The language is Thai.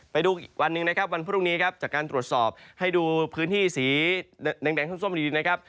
ไปดูอีกวันหนึ่งนะครับวันพรุ่งนี้ครับจากการตรวจสอบให้ดูพื้นที่สีแดงส้มดีนะครับ